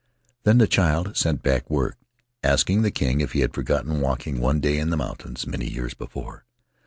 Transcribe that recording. Then the child sent back w^ord asking the king if he had forgotten walking one day in the mountains many years before.